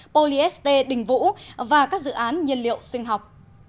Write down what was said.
poly st đình vũ và các dự án nhiên liệu sinh học